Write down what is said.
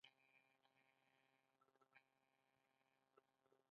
پیاز د زړه روغتیا ته ګټه لري